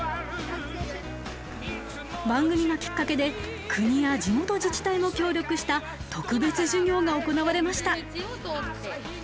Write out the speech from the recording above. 番組がきっかけで国や地元自治体も協力した特別授業が行われました。